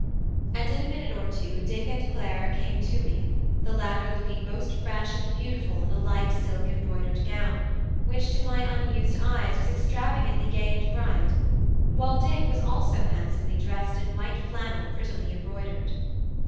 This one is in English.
And in a minute or two Dick and Clara came to me, the latter looking most fresh and beautiful in a light silk embroidered gown, which to my unused eyes was extravagantly gay and bright; while Dick was also handsomely dressed in white flannel prettily embroidered.